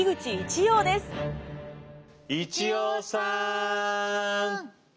一葉さん。